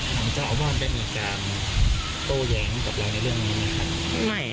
มันจะเอาบ้านไปมีการโตแย้งกับเราในเรื่องนี้ไหมครับ